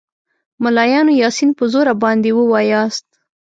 ملایانو یاسین په زوره باندې ووایاست.